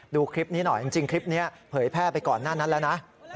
ดูคลิปนี้หน่อยจริงคลิปนี้เผยแพร่ไปก่อนหน้านั้นแล้วนะ